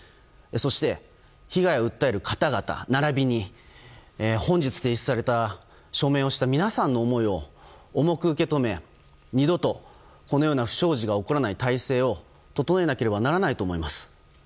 そして、被害を訴える方々ならびに、本日提出された署名をした皆さんの思いを重く受け止め二度と、このような不祥事が起こらない体制を整えなければならないと思います。